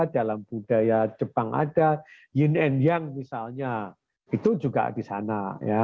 dalam budaya jepang ada yin and yang misalnya itu juga di sana